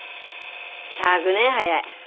１００年早い。